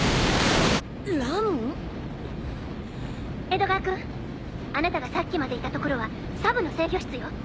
江戸川君あなたがさっきまでいた所はサブの制御室よ。